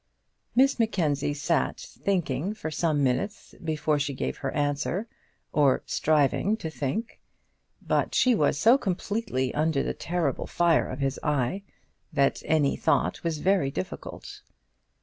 Miss Mackenzie sat thinking for some minutes before she gave her answer or striving to think; but she was so completely under the terrible fire of his eye, that any thought was very difficult.